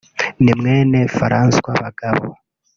ni mwene Francois Bagabo